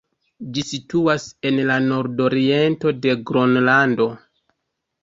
Ĝi situas en la nord-oriento de Gronlando.